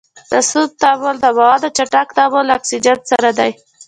د سون تعامل د موادو چټک تعامل له اکسیجن سره دی.